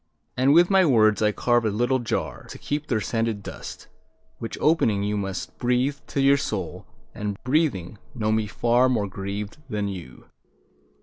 And with my words I carve a little jar To keep their scented dust, Which, opening, you must Breathe to your soul, and, breathing, know me far More grieved than you.